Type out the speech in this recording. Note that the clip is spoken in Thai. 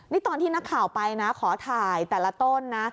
นี่ตอนที่นักข่าวไปนะขอถ่ายแต่ละต้นนะ